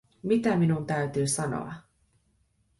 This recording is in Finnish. Mitä minun täytyy sanoa?